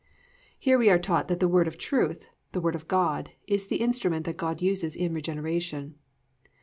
"+ _Here we are taught that the Word of Truth, the Word of God, is the instrument that God uses in regeneration.